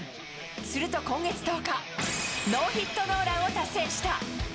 すると今月１０日、ノーヒットノーランを達成した。